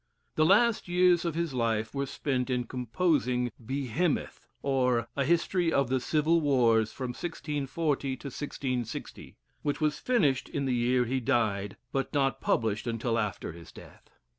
The last years of his life were spent in composing "Behemoth; or, a History of the Civil Wars from 1640 to 1660," which was finished in the year he died, but not published until after his death.